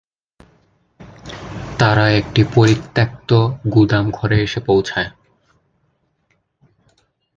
তারা একটি পরিত্যাক্ত গুদাম ঘরে এসে পৌঁছায়।